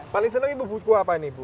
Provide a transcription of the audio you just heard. paling senang ibu buku apa ini bu